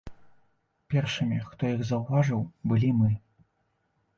Першымі, хто іх заўважыў, былі мы.